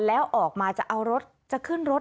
แล้วออกมาจะเอารถจะขึ้นรถ